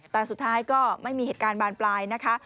แต่สุดท้ายก็ไม่มีเหตุการณ์บานปลายนะคะ